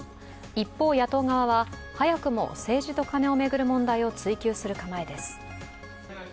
一方、野党側は早くも政治とカネを巡る問題を追及する構えです。